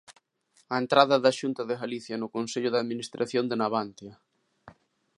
A entrada da Xunta de Galicia no Consello de Administración de Navantia.